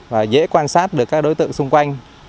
và dễ quan sát được các đối tượng xung quanh